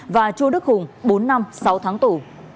và chua đức hùng bốn năm sáu tháng tù